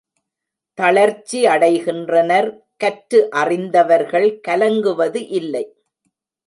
தளர்ச்சி அடைகின்றனர். கற்று அறிந்தவர்கள் கலங்குவது இல்லை.